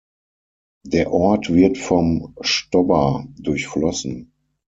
Der Ort wird vom Stobber durchflossen.